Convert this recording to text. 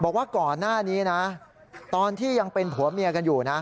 บอกว่าก่อนหน้านี้นะตอนที่ยังเป็นผัวเมียกันอยู่นะ